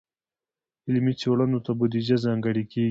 علمي څیړنو ته بودیجه ځانګړې کیږي.